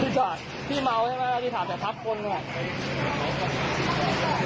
พี่จอดพี่เมาใช่ไหมพี่ทับแต่ทับคนด้วย